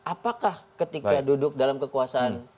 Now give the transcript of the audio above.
apakah ketika duduk dalam kekuasaan